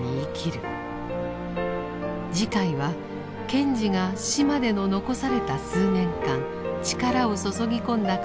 次回は賢治が死までの残された数年間力を注ぎ込んだ活動の軌跡を追います。